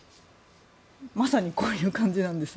まさにこういう感じなんです。